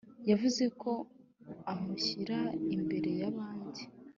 yavuze ko amushyira imbere ya abandi